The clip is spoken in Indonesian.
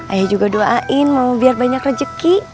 ayah juga doain mama biar banyak rezeki